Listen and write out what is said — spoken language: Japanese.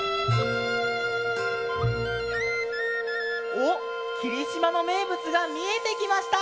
おっ霧島のめいぶつがみえてきました！